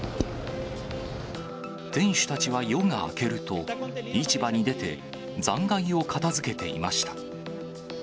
店主たちは夜が明けると、市場に出て、残骸を片づけていました。